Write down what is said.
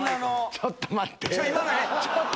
ちょっと待って！